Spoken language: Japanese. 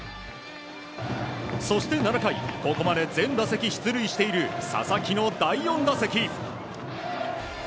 そして７回ここまで全打席出塁している佐々木の第４打席。